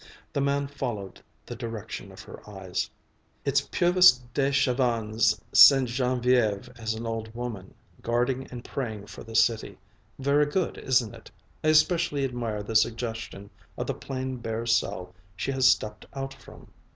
The man followed the direction of her eyes. "It's Puvis de Chavannes' Ste. Geneviève as an old woman, guarding and praying for the city. Very good, isn't it? I especially admire the suggestion of the plain bare cell she has stepped out from.